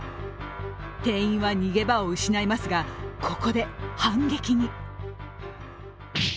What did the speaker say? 店員は逃げ場を失いますが、ここで反撃に。